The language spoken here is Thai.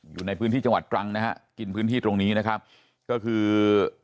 อยู่ในพื้นที่จังหวัดตรังนะฮะกินพื้นที่ตรงนี้นะครับก็คือ